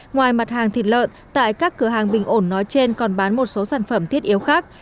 ngoài mặt hàng thịt lợn tại các cửa hàng bình ổn nói trên còn bán một số sản phẩm thiết yếu khác